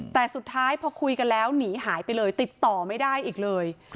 แต่สุดท้ายพอคุยกันแล้วหนีหายไปเลยติดต่อไม่ได้อีกเลย